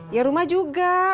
ya rumah juga